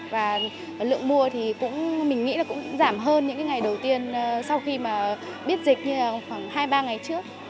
và lượng mua thì mình nghĩ là cũng giảm hơn những ngày đầu tiên sau khi mà biết dịch như là khoảng hai ba ngày trước